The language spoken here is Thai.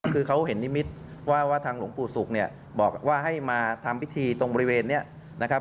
คือเขาเห็นนิมิตรว่าทางหลวงปู่ศุกร์เนี่ยบอกว่าให้มาทำพิธีตรงบริเวณนี้นะครับ